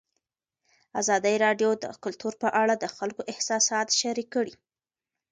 ازادي راډیو د کلتور په اړه د خلکو احساسات شریک کړي.